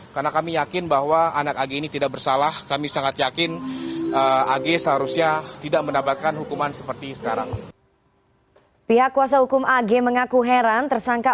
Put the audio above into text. karena kami yakin bahwa anak ag ini tidak bersalah kami sangat yakin ag seharusnya tidak mendapatkan hukuman seperti sekarang